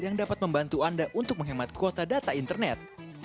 yang dapat membantu anda untuk menghemat kuota data internet